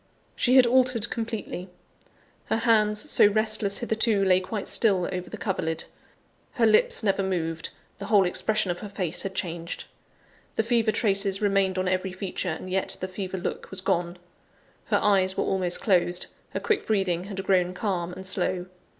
She had altered completely. Her hands, so restless hitherto, lay quite still over the coverlid; her lips never moved; the whole expression of her face had changed the fever traces remained on every feature, and yet the fever look was gone. Her eyes were almost closed; her quick breathing had grown calm and slow.